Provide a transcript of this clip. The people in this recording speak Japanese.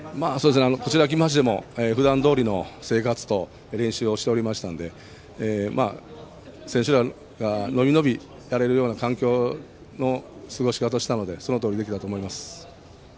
こちらに来ましても普段どおりの生活と練習をしておりましたので選手らが伸び伸びやれるような環境の過ごし方をしたのでそのとおりできたと思います。